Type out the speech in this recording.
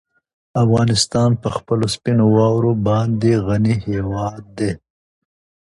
افغانستان په خپلو سپینو واورو باندې غني هېواد دی.